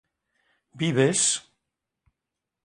¿vives?